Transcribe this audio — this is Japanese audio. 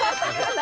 何？